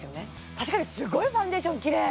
確かにすごいファンデーションキレイ！